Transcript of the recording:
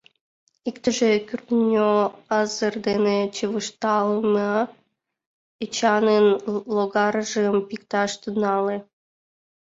Иктыже кӱртньӧ азыр дене чывышталмыла Эчанын логаржым пикташ тӱҥале.